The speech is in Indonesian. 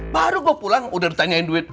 baru gue pulang udah ditanyain duit